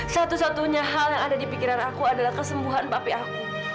satu satunya hal yang ada di pikiran aku adalah kesembuhan bape aku